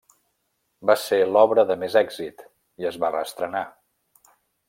Va ser l’obra de més èxit, i es va reestrenar.